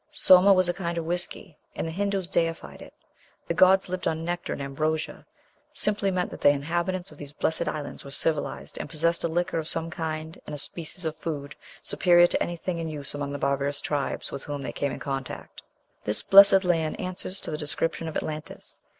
Soma was a kind of whiskey, and the Hindoos deified it. "The gods lived on nectar and ambrosia" simply meant that the inhabitants of these blessed islands were civilized, and possessed a liquor of some kind and a species of food superior to anything in use among the barbarous tribes with whom they came in contact. This blessed land answers to the description of Atlantis.